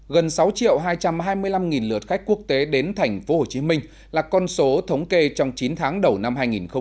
gần sáu hai trăm hai mươi năm lượt khách quốc tế đến tp hcm là con số thống kê trong chín tháng đầu năm hai nghìn hai mươi